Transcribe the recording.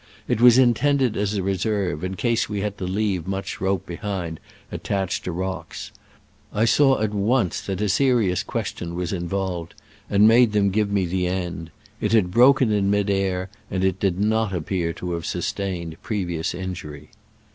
It was intended as a reserve, in case we had to leave much rope be hind attached to rocks. I saw at once that a serious question was involved, and made them give me the end. It had broken in mid air, and it did not appear to have sustained previous injury.